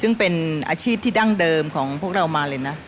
ซึ่งเป็นอาชีพที่ดั้งเดิมของพวกเรามาเลยนะ